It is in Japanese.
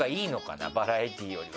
バラエティーよりは。